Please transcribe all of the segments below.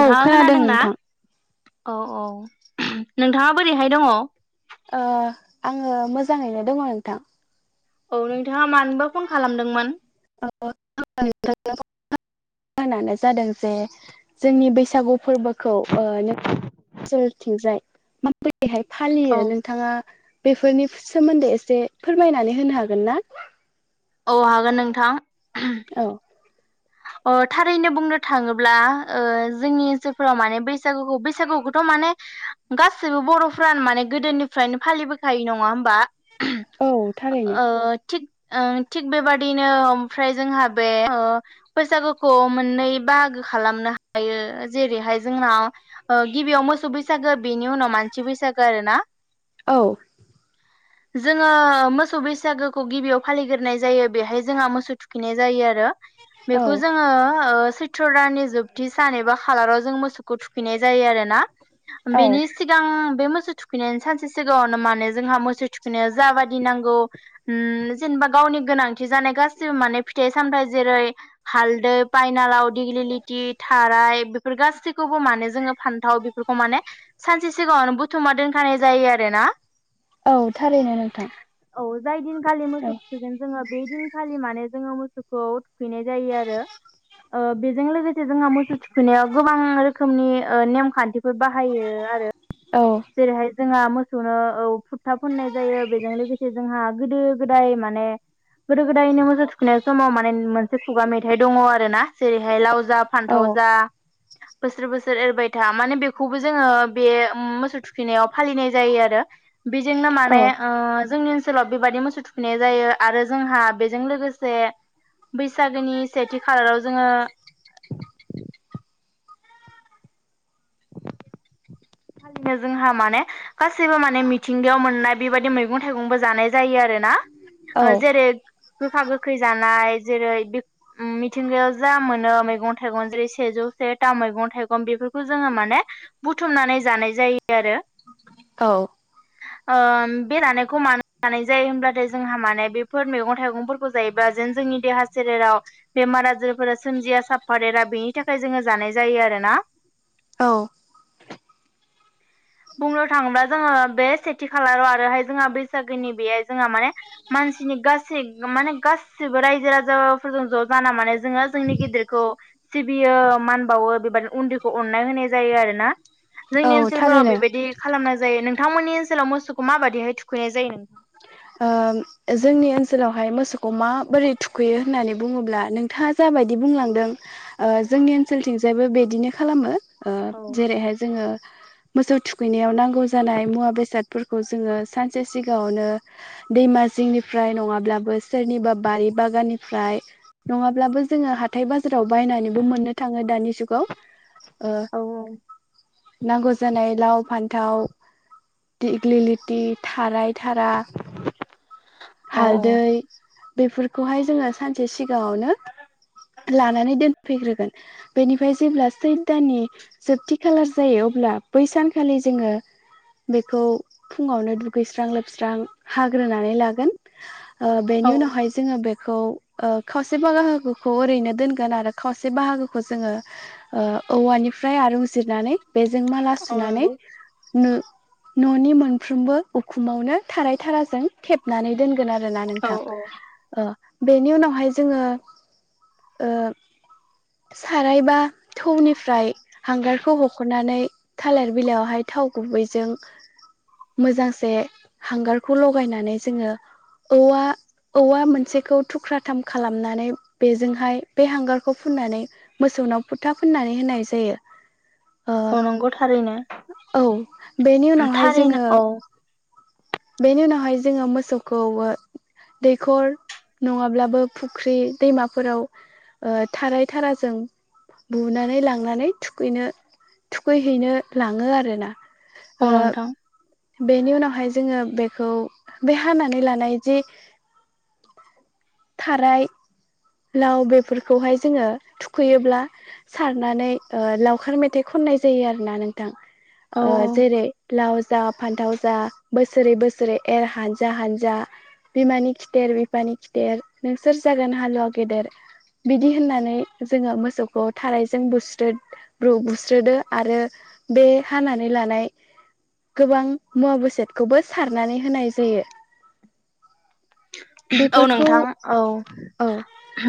औ खोनादों खोनादोंना? नोंथां औ औ नोंथाङा बोरैहाय दङ? ओ आङो मोजाङैनो दङ नोंथां। औ नोंथाङा मानोबा फन खालामदोंमोन? [unintelligible] नानो जादों जे जोंनि बैसागु फोरबोखौ ओ नों [unintelligible] ओनसोलथिंजाय मा बाय दिहाय औ फालियो नोंथाङा बेफोरनि सोमोन्दै एसे फोरमायनानै होनो हागोन ना? औ हागोन नोंथां। औ अ थारैनो बुंनो थाङोब्ला ओ जोंनि ओनसोलफोराव माने बैसागुखौ बैसागुखौथ' माने गासैबो बर'फ्रानो माने गोदोनिफ्रायनो फालिबोखायो नङा होमबा! [unintelligible] औ थारैनो। ओ थिग ओ थिग बेबादिनो ओमफ्राय जोंहा बे ओ बैसागोखौ मोननै बाहागो खालामनो हायो जेरैहाय जोंनाव ओ गिबियाव मोसौ बैसागो बेनि उनाव मानसि बैसागो आरोना। औ जोङो मोसौ बैसागोखौ गिबियाव फालिग्रोनाय जायो बेहाय जोंहा मोसौ थुखैनाय जायो आरो। औ बेखौ जोङो ओ सैत्र दाननि जोबथि सान एबा खालाराव जों मोसौ खौ थुखैनाय जायो आरोना। औ बेनि सिगां बे मो सौ थुखैनायनि सानसे सिगाङावनो माने जोंहा मोसौ थुखैनायाव जाबादि नांगौ उम जेनेबा गावनि गोनांथि जानाय गासिबो माने फिथाइ-सामथाइ जेरै हालदै पायनालाव दिग्लिलिथि थाराय बेफोर गासैखौबो माने जोङो फानथाव बेफोरखौ माने सानसे सिगाङावनो बुथुमना दोनखानाय जायो आरो ना। औ थारैनो नोंथां औ जाय दिन खालि मोसौ औ थुखैगोन जोङो बे दिनखालि माने जोङो मोसौखौ थुखैनाय जायो आरो ।ओ बेजों लोगोसे जोंहा मोसौ थुखैनायाव गोबां रोखोमनि ओ नेमखान्थिफोर बाहायो आरो औ जेरैहाय जोंहा मोसौनो औ फोथा फुननाय जायो बेजों लोगोसे जोंहा गोदो-गोदाय माने गोदो-गोदायनो मोसौ थुखैनायाव समाव माने मोनसे खुगा मेथाइ दङ आरोना जेरैहाय लाव जा औ फान्थाव जा बोसोर बोसोर एरबाय था माने बेखौबो जोङो बे मोसौ थु खैनायाव फालिनाय जायो आरो बेजोंनो औ माने ओ जोंनि ओनसोलाव बेबायदि मोसौ थुखैनाय जायो आरो जोंहा बेजों लोगोसे बै सागोनि सेथि खालाराव जोङो फालिनो जोंहा माने गासैबो माने मि थिंगायाव मोननाय बेबायदि मैगं थाइगंबो जानाय जायो आरोना औ ओ जेरै गोखा गोखै जानाय जेरै मिथिंगायाव जा मोनो मैगं-थाइगं जेरै सेजौ सेता मैगं थाइगं बेफोरखौ जोङो माने बुथुमनानै जानाय जायो आरो औ। ओम बे जानायखौ मानो जानाय जायो होमब्लाथाय जोंहा माने बेफोर मैगं थाइगंफोरखौ जायोब्ला जेन जोंनि देहा सोलेराव बेमार आजारफोरा सोमजिया सापफादेरा बेनि थाखाय जोङो जानाय जायो आरोना। औ। बुंनो थाङोब्ला जोङो बे सेथि खालाराव आरोहाय जोंहा बैसागोनि बेहाय जोंहा माने मानसिनि गासै माने गासिबो रायजो राजाफोरजों ज' जाना माने जोङो जोंनि गिदिरखौ सिबियो मान बावो बेबादिनो उन्दैखौ अननाय होनाय जायो आरोना। औ थारैनो दि खालामनाय जायो नोंथांमोननि ओनसोलाव मोसौखौ माबाददिहाय थुखैनाय जायो नोंथां। ओ जोंनि ओनसोलावहाय मोसौखौ माबोरै थुखैयो होननानै बुङोब्ला नोंथाङा जाबायदि बुंलांदों ओ जोंनि ओनसोलथिंजायबो बिदिनो खालामो। ओ औ जेरैहाय जोङो मोसौ थुखैनायाव नांगौ जानाय मुवा बेसादफोरखौ‌ जोङो सानसे सिगाङावनो दैमा जिंनिफ्राय नङाब्लाबो सोरनिबा बारि बागाननिफ्राय नङाब्लाबो जोङो हाथाय बाजाराव बायनानैबो मोननो थाङो दानि जुगाव। ओह औ औ नांगौ जानाय लाव फान्थाव दिग्लिलिथि थाराय थारा औ हालदै बेफोरखौहाय जोङो सानसे सिगाङावनो लानानै दोनफैग्रोगोन बेनिफ्राय जेब्ला सैद दाननि जोबथि खालार जायो अब्ला बै सानखालि जोङो बेखौ फुङावनो दुगैस्रां लोबस्रां। हाग्रोनानै लागोन। ओ औ बेनि उनावहाय जोङो बे खौ ओ खावसे बाहागोखौ ओरैनो दोनगोन आरो खावसे बाहागोखौ जोङो ओ औवानिफ्राय आरुं जिरनानै बेजों माला औ सुनानै नंगौ नु न'नि मोनफ्रोमबो उखुमावनो थाराय थाराजों थेबनानै दोनगोन आरो आरोना औ नोंथां औ ओ बेनि उनावहाय जोङो ओ सारायबा थौनिफ्राय हांगारखौ हख'नानै थालिर बिलाइयावहाय थाव गुबैजों मोजांसे हांगार खौ लगायनानै जोङो औवा औवा मोनसेखौ थुख्राथाम खालामनानै बेजोंहाय बे हांगारखौ फुननानै मोसौनाव फुथा फुननानै होनाय जायो ओ औ नंगौ थारैनो औ बेनि उनावहाय थारैनो जोङो औ बेनि उनावहाय जोङो मोसौखौ दैखर नङाब्लाबो फुख्रि दैमाफोराव थाराय थाराजों बुनानै लांनानै थुखैनो थुखैहैनो लाङो आरोना। ओ औ नोंथां। बेनि उनावहाय जोङो बेखौ बे हानानै लानाय जे थाराय लाव बेफोरखौहाय जोङो थुखैयोब्ला सारनानै ओ लावखार मेथाइ खननाय जायो आरोना नोंथां। औ ओ जेरै लाव जा फान्थाव जा बोसोरै बोसोरै एर हानजा हानजा बिमानि खिथेर बिफानि खिथेर नोंसोर जागोन हालुवा गेदेर बिदि होननानै जोङो मोसौखौ थारायजों बुस्रोद बु स्रोदो आरो बे हानानै लानाय गोबां मुवा बेसाद खौबो सारनानै होनाय जायो। औ बेफोरखौ नोंथां औ औ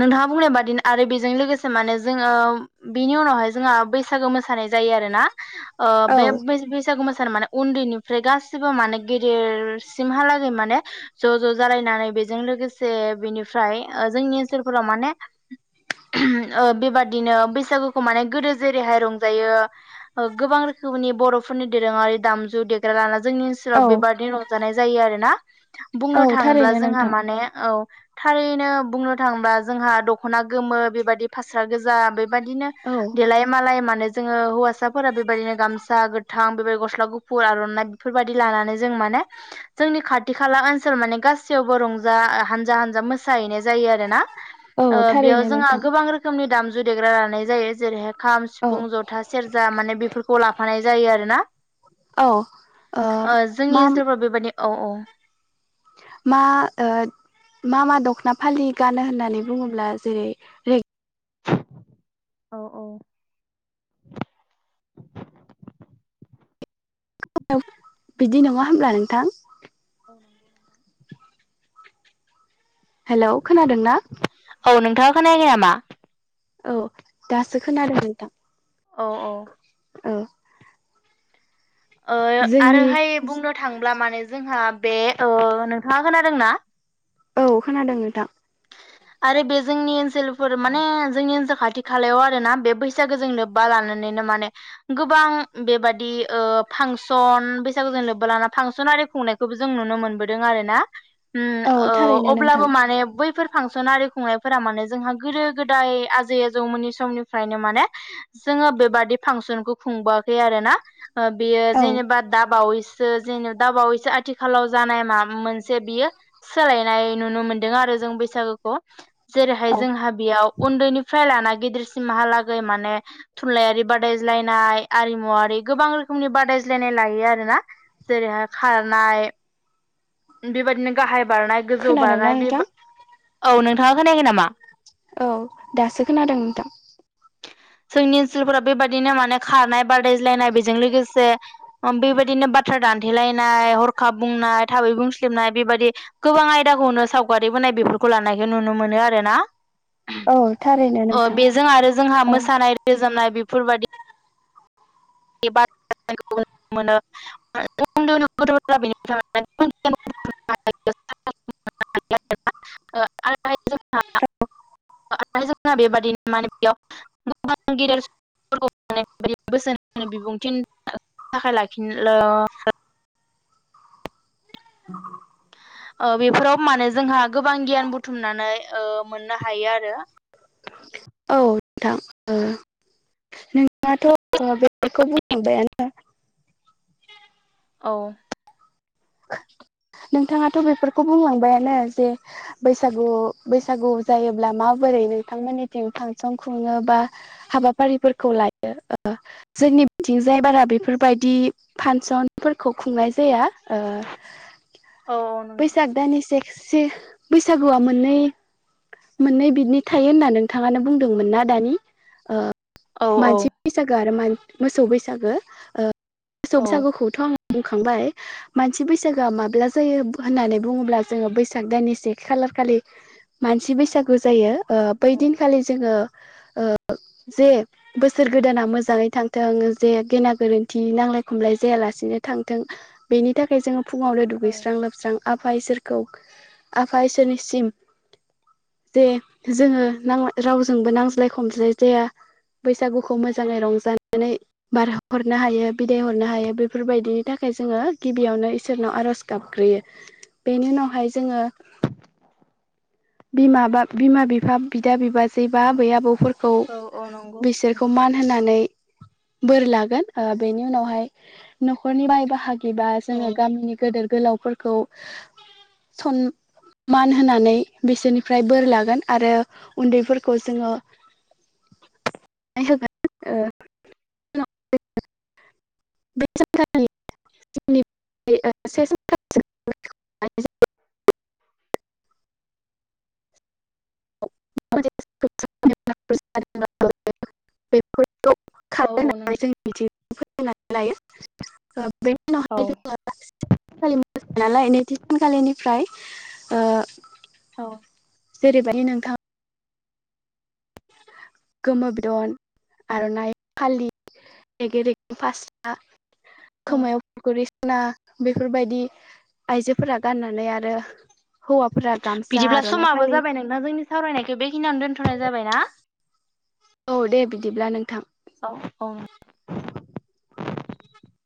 नोंथाङा बुंनाय बादिनो आरो बे बेजों लोगोसे माने जोङो बिनि उनावहाय जोंहा बैसागो मोसानाय जायो आरोना। ओ औ बे बै बैसागु उन्दैनिफ्राय गासिबो माने गेदेरसिमहालागै माने ज' ज' जालायनानै बेजों लोगोसे बेनिफ्राय जोंनि ओनसोलफोराव माने बेबादिनो बैसागुखौ माने गोदो जेरैहाय रंजायो गोबां रोखोमनि बर'फोरनि दोरोङारि दामजु देग्रा लानानै जोंनि औ ओनसोलाव बेबादनि रंजानाय जायो आरोना औ बुंंनो थाङोब्ला थारैनो जोंहा नोंथां माने औ थारैनो बुंनो थाङोबा जोंहा दख'ना गोमो बेबायदि फास्रा गोजा बेबायाददिनो औ देलाय मालाय माने जोङो हौवासाफोरा बेबायदिनो गामसा गोथां बेबायदि गस्ला गुफुर आर'नाइ बेफोरबायदि लानानै जों माने जोंनि खाथि खाला ओनसोलाव माने गासैयावबो रंजा हानजा हानजा मोसाहैनाय जायो आरो ना औ ओ बेयाव थारैनो जोंहा नोंथां गोबां रोखोमनि दाम [unintelligible] देग्रा लानाय जायो जेरैहाय खाम औ सिफुं जथा सेरजा माने बेफोरखौ लाफानाय जायो आरोना। औ ओ जोंनि मा ओनसोलफ्राव बेबायदि औ औ मा ओ मा मा दख'ना फालि गानो होननानै बुङोब्ला जेरै औ औ [inaudible] [unintelligible] बिदि नङा औ होमब्ला नोंथां? नंगौ नोंथां हेलौ खोनादों ना? औ नोंथाङा खोनाखै नामा? औ दासो खोनादों नोंथां। औ औ औ ओ जोंनि आरोहाय बुंनो थांब्ला माने जोंहा बे ओ नोंथाङा खोनादोंना? औ खोनादों नोंथां। आरो बे जोंनि ओनसोल फोर माने जोंनि ओनसोल खा खाथि खालायाव आरोना बे बैसागोजों लोब्बा लानानैनो माने गोबां बेबादि ओ फांसन बैसागोजों लोब्बा लाना फांसन आरि खुंनायखौबो जों नुनो मोनबोदों आरोना उम औ ओ थारैनो नोंथां अब्लाबो माने बैफोर फांसन आरि खुंनायफोरा माने जोंहा गोदो गोदाय आजै आजौमोननि समनिफ्रायनो माने जोङो बेबादि फांसनखौ खुंबोखै आरोना ओ बेयो औ जेनेबा दाबावैसो सो जेन' दा बावैसो आथिखालाव जानाय मा मोनसे बियो सोलायनाय नुनो मोनदों आरो जों बै सागोखौ जेरैहाय औ जोंहा बेयाव उन्दैनिफ्राय लाना गदिरसिमहालाै माने थुनलायारि बादायायनाय आरमुआरि गोबां रोखोमनि बादायलायनाय लायो आरोना जेरैहाय खारनाय बेबायदिनो गाहाय बारनाय गोजौ खोनादोंना बारनाय नोंथां बेबा औ नोंथाङा खोनायाखै नामा? औ दासो खोनादों नोंथां जोंनि ओनसोलफोरा बेबायदिनो माने खारनाय बादायज्लायनाय बेजों लोगोसे बेबायदिनो बाथ्रा दान थेलायनाय हरखाब बुंनाय थाबै बुंस्लिबनाय बेबादि गोबां आयदाखौनो सावगारिबोनाय बेफोर खौ लानायखौ नुनो मोनो आरो ना औ थारैनो अ नोंथां बेजों आरो जोंहा औ मोसानाय रोजाबनाय बे फोर बादि [unintelligible] [unintelligible] [unintelligible] [unintelligible] ओ बेफोराव माने जोंहा गोबां गियान बुथुमनानै मोननो हायो आरो औ नोंथां ओ [unintelligible] औ नोंथाङाथ' बेफोरखौ बुंलांबायानो जे बैसागु बैसागु जायोब्ला माबोरै नोंथांमोननिथिं फांसन खुङो बा हाबाफारिफोरखौ लायो ओ जोंनि बिथिं जाय बारा बेफोरबायदि फान्सन फोरखौ खुंनाय जाया ओ औ औ नोंथां बैसाग दाननि से से बैसागुआ मोननै मोननै बिदनि थायो होनना नोंथाङानो बुंदोंमोन ना दानि ओ औ औ मानसि बैसागु आरो मान मोसौ बैसागो ओ मोसौ औ बैसागुखौथ' आं बुंखांबाय मानसि बैसागोआ माब ब्ला जायो होननानै बुङोब्ला जोङो बैसाग दाननि से खालार खालि मानसि बैसागु जायो ओ औ बैदिनखालि जोङो ओ जे बोसोर गोदाना मोजाङै थांथों जे गेना गोरोन्थि नांलाय खमलाय जायालासेनो थांथों बेनि थाखाय जोङो फुङावनो दु गैस्रां औ लोबस्रां आफा इसोरखौ आफा इसोरनिसिम जे जोङो नां रावजोंबो नांज्लाय खमज्लाय जाया बैसागुखौ मोजाङै रंजानानै बारहरनो हायो बिदाय हरनो हायो बेफोरबायदिनि थाखाय जोङो गिबियावनो इसोरनाव आर'ज गाबग्रोयो बेनि उनावहाय जोङो बिमा बा बिमा बिफा बिदा बिबाजै बा आबै आबौफोर खौ औ औ नंगौ बिसोरखौ नोंथां मान होनानै बोर लागोन ओ बेनि उनावहाय न'खरनि बाय बाहागि बा औ जोङो गामिनि गोदोर गोलावफोर खौ सनमान होनानै बिसोरनिफ्राय बोर लागोन आरो उन्दैफोरखौ जोङो होगोन ओ [unintelligible] बे सानखालि [unintelligible] [unintelligible] बेफोर औ खार औ औ होननानै जों नोंथां बिदि फोननानै लायो ओ बेनि उनाव औ हाय जोङो [unintelligible] खालि मोसानाय नालाय नैथि सानखालिनिफ्राय ओ औ जेरैबायदि नोंथां गोमो बिदन आर'नाइ फालि रेगे रेग फास्रा औ खोमायाव गरि, स'ना बेफोरबायदि आइजोफोरा गाननानै आरो हौवाफोरा गामसा बिदिब्ला आर'नाइ समाबो फालि जाबाय नोंना जोंनि सावरायनायखौ बेखिनियावनो दोनथ'नाय जाबाय ना? औ दे बिदिब्ला नोंथां‌। अ अ [unintelligible]